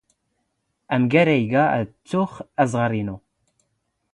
ⴰⵎⴳⴰⵔ ⴰⵢ ⵉⴳⴰ ⴰⴷ ⵜⵜⵓⵖ ⴰⵥⵖⵔ ⵉⵏⵓ.